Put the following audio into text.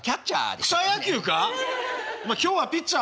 お前今日はピッチャー